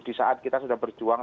di saat kita sudah berjuang